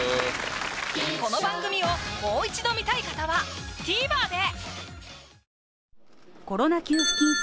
この番組をもう一度観たい方はＴＶｅｒで！